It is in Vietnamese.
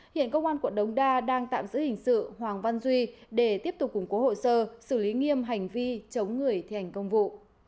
hiện công an quận đống đa đang tạm giữ hình sự hoàng văn duy để tiếp tục củng cố hồ sơ xử lý nghiêm hành vi chống người thi hành công vụ